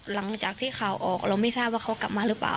หลังจากที่ข่าวออกเราไม่ทราบว่าเขากลับมาหรือเปล่า